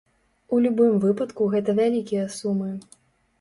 У любым выпадку гэта вялікія сумы.